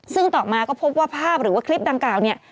ซึ่งต่อมาก็พบว่าภาพหรือว่าคลิปดังกล่าวเนี่ย